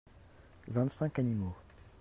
vingt cinq animaux.